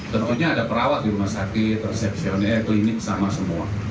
tentunya ada perawat di rumah sakit resepsioner klinik sama semua